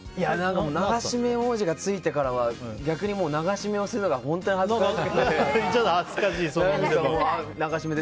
流し目王子がついてからは逆に、流し目をするのが本当に恥ずかしくて。